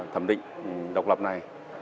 thẩm định độc lập này